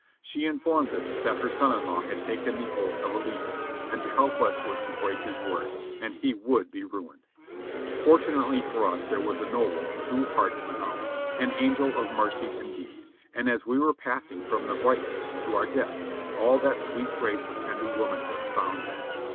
She informed us that her son in law had taken the oath of allegiance and to help us was to break his word, and he would be ruined. Fortunately for us there was a noble, true heart in the house ; an angel of mercy indeed ; and as we were passing from the brightness to our death, all that sweet grace of tender woman hood found vent.